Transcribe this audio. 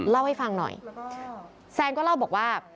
เล่าให้ฟังหน่อยแซนก็เล่าบอกว่า